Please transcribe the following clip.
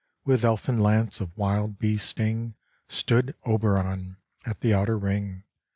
With elfin lance of wild bee sting Stood Oberon, at the outer ring.